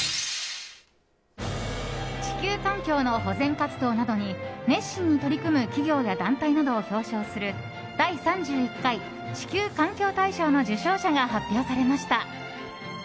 地球環境の保全活動などに熱心に取り組む企業や団体などを表彰する第３１回地球環境大賞の受賞者が発表されました。